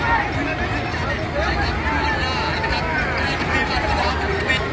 มาแล้วครับพี่น้อง